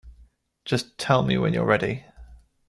Just tell me when you're ready.